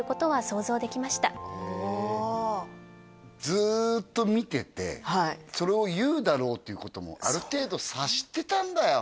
ずっと見ててそれを言うだろうっていうこともある程度察してたんだよ